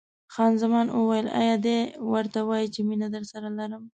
خان زمان وویل: ایا دی ورته وایي چې مینه درسره لرم؟